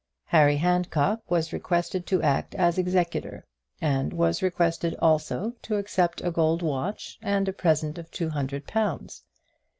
Harry Handcock was requested to act as executor, and was requested also to accept a gold watch and a present of two hundred pounds.